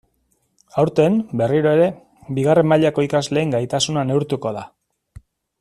Aurten, berriro ere, bigarren mailako ikasleen gaitasuna neurtuko da.